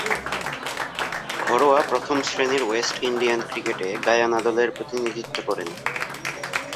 ঘরোয়া প্রথম-শ্রেণীর West Indian ক্রিকেটে গায়ানা দলের প্রতিনিধিত্ব করেন।